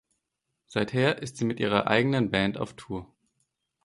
Seither ist sie mit ihrer eigenen Band auf Tour.